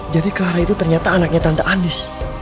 jadi clara itu ternyata anaknya tante andis